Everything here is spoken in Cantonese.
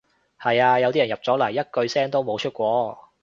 係呀，有啲人入咗嚟一句聲都冇出過